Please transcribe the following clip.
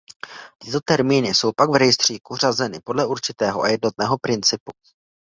Tyto termíny jsou pak v rejstříku řazeny podle určitého a jednotného principu.